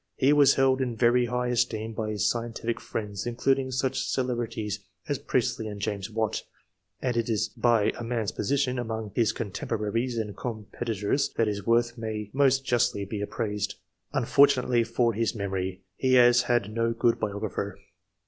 He was held in very high esteem by his scientific friends, including such cele brities as Priestley and James Watt, and it is by a man's position among his contemporaries and competitors that his worth may most justly be appraised. Unfortunately for his memory, he has had no good biographer.